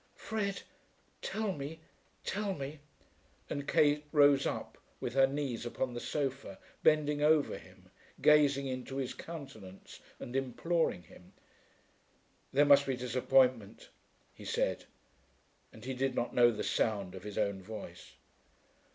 "Fred, tell me; tell me." And Kate rose up, with her knees upon the sofa, bending over him, gazing into his countenance and imploring him. "There must be disappointment," he said; and he did not know the sound of his own voice.